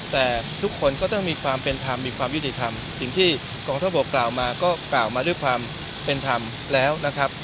แต่ทุกคนก็ต้องมีความเป็นธรรมมีความยุติธรรมสิ่งที่กองทัพบกกล่าวมาก็กล่าวมาด้วยความเป็นธรรมแล้วนะครับ